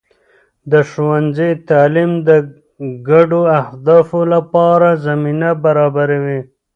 د ښوونځي تعلیم د ګډو اهدافو لپاره زمینه برابروي.